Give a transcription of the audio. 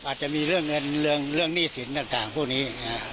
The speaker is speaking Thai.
อาจจะมีเรื่องเงินเรื่องหนี้สินต่างพวกนี้